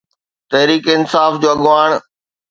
تحريڪ انصاف جو اڳواڻ.